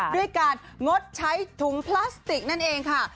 ด้วยการงดใช้ถุงพลาสติกนั่นเองค่ะ